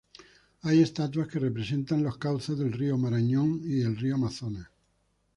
Hay estatuas que representan los cauces del Río Marañón y el Río Amazonas.